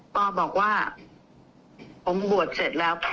ปอร์บอกว่าผมบวทเสร็จแล้ว